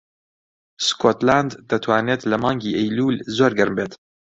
سکۆتلاند دەتوانێت لە مانگی ئەیلوول زۆر گەرم بێت.